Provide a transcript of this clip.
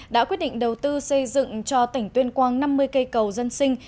đã quyết định đầu tư xây dựng cho tỉnh tuyên quang năm mươi cây cầu dân sinh